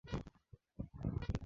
Kitabu kimechomwa